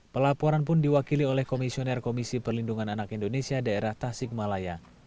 pelaporan pun diwakili oleh komisioner komisi perlindungan anak indonesia daerah tasikmalaya